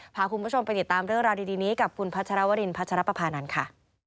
พาคุณผู้ชมไปติดตามเรื่องราวดีนี้กับคุณพัชรวรินพัชรปภานันทร์ค่ะ